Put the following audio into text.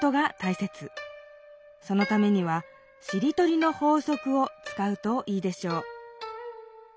そのためには「しりとりの法則」をつかうといいでしょう。